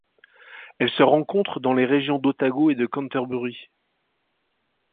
Elle se rencontre dans les régions d'Otago et de Canterbury.